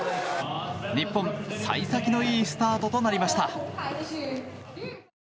日本、幸先のいいスタートとなりました。